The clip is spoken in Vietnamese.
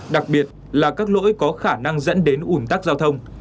đặc biệt là các lỗi có khả năng dẫn đến ủn tắc giao thông